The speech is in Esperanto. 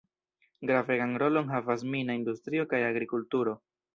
Gravegan rolon havas mina industrio kaj agrikulturo.